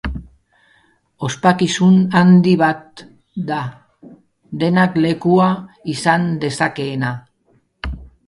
Ospakizun handi bat da, denak lekua izan dezakeena.